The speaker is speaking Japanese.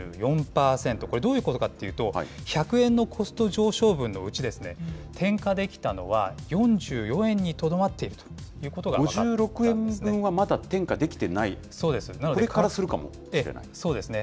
これ、どういうことかというと、１００円のコスト上昇分のうち、転嫁できたのは４４円にとどまっているということが分かったんで５６円分はまだ転嫁できてなそうですね。